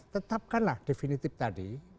tetapkanlah definitif tadi